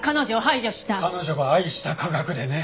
彼女が愛した科学でね。